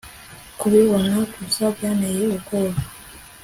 kubibona gusa byanteye ubwoba